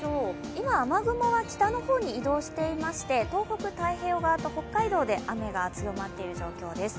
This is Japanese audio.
今、雨雲は北の方に移動していまして、東北太平洋側と北海道で雨が強まっている状況です。